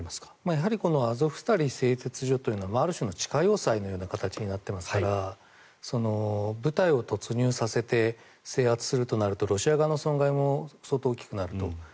やはりアゾフスタリ製鉄所というのはある種の地下要塞のような形になっていますから部隊を突入させて制圧するとなるとロシア側の損害も相当大きくなると。